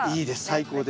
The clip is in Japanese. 最高です。